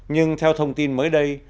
nhưng theo thông tin mới đây